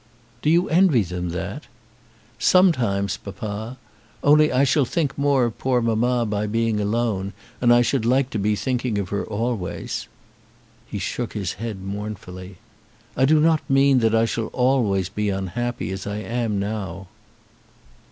"Do you envy them that?" "Sometimes, papa. Only I shall think more of poor mamma by being alone, and I should like to be thinking of her always." He shook his head mournfully. "I do not mean that I shall always be unhappy, as I am now."